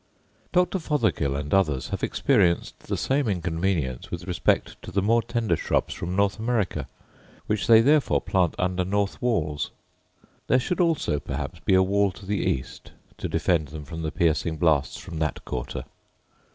Dr. Fothergill and others have experienced the same inconvenience with respect to the more tender shrubs from North America; which they therefore plant under north walls. There should also perhaps be a wall to the east to defend them from the piercing blasts from that quarter.